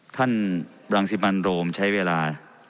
ท่านรังสิมันโรมใช้เวลา